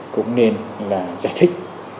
cũng nên là giải thích